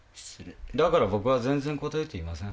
だから僕は全然こたえていません。